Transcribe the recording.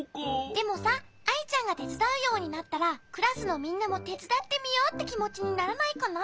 でもさアイちゃんがてつだうようになったらクラスのみんなもてつだってみようってきもちにならないかな？